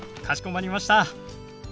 かしこまりました。